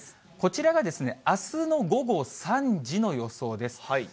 こちらがあすの午後３時の予想です。